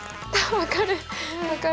分かる。